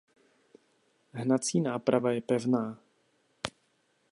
Hnací náprava je pevná.